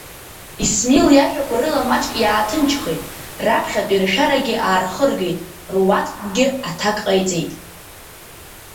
Исмил иажәақәа рыла маҷк иааҭынчхеит, раԥхьатәи ршәарагьы аархыргеит руаӡәкгьы аҭак ҟаиҵеит.